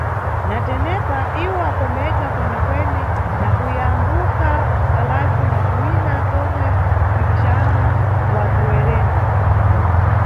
Na tenepa, iwo akomedwa kwenekwene na kuyambuka kalasi na kuwina pomwe mpikisano wa kuwerenga.